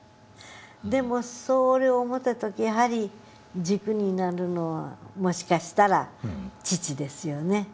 でもそれを思った時やはり軸になるのはもしかしたら父ですよね。